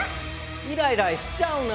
イライラしちゃうな！